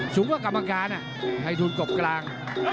สูงกว่ากรรมการนะฮะไทยทูลกบกลาง